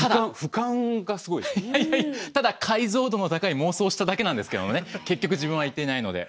ただ解像度の高い妄想をしただけなんですけどもね結局自分は行っていないので。